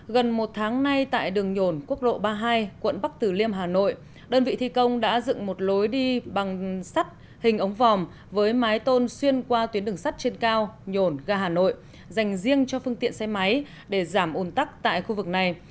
gần một tháng nay tại đường nhồn quốc lộ ba mươi hai quận bắc tử liêm hà nội đơn vị thi công đã dựng một lối đi bằng sắt hình ống vòm với mái tôn xuyên qua tuyến đường sắt trên cao nhổn ga hà nội dành riêng cho phương tiện xe máy để giảm ồn tắc tại khu vực này